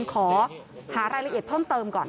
ขอหารายละเอียดเพิ่มเติมก่อน